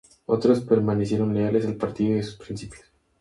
Otros permanecieron leales al partido y sus principios.